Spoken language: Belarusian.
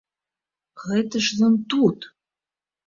Гэта ж ён тут!